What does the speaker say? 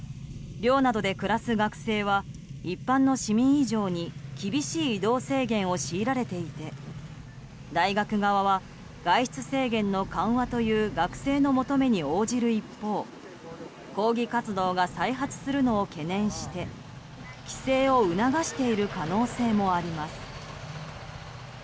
寮などで暮らす学生は一般の市民以上に厳しい移動制限を強いられていて大学側は外出制限の緩和という学生の求めに応じる一方抗議活動が再発するのを懸念して帰省を促している可能性もあります。